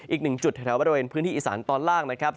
อีกหนึ่งจุดแถวบริเวณพื้นที่อีสานตอนล่างนะครับ